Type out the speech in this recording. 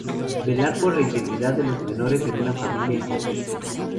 Velar por la integridad de los menores en una familia en conflicto.